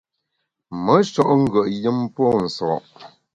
Me sho’ ngùet yùm pô nso’.